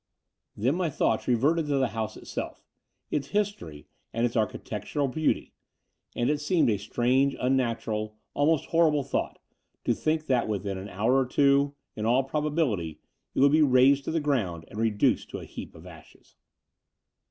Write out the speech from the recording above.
Then my thoughts The Dower House 289 reverted to the house itself, its history and its archi tectural beauty : and it seemed a strange, unnatural, almost horrible thought to think that within an hour or two— in all probability — it would be razed to the ground and reduced to a heap of ashes.